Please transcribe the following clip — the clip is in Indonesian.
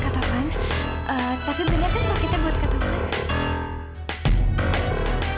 kak taufan tapi beneran kan pak kita buat kak taufan